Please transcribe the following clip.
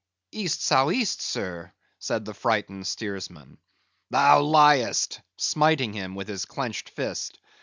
"East sou east, sir," said the frightened steersman. "Thou liest!" smiting him with his clenched fist.